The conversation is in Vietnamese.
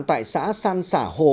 tại xã san sả hồ